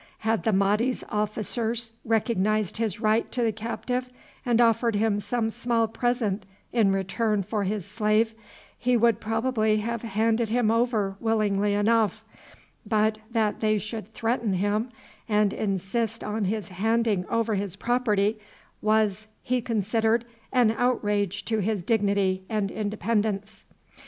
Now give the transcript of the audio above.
Had the Mahdi's officers recognized his right to the captive, and offered him some small present in return for his slave, he would probably have handed him over willingly enough; but that they should threaten him, and insist on his handing over his property, was, he considered, an outrage to his dignity and independence.